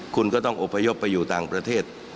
คุณก็ต้องอบพยพไปอยู่ต่างประเทศ